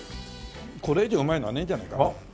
これ以上うまいのはねえんじゃねえかな。